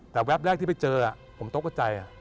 แต่แว็บแรกที่ไปเจอผมตกใจ